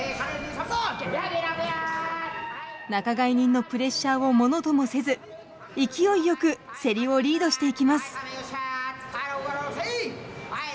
仲買人のプレッシャーをものともせず勢いよく競りをリードしていきます。